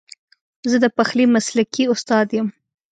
زه د پخلي مسلکي استاد یم